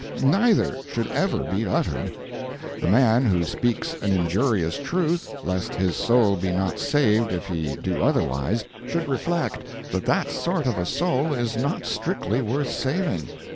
Neither should ever be uttered. The man who speaks an injurious truth, lest his soul be not saved if he do otherwise, should reflect that that sort of a soul is not strictly worth saving.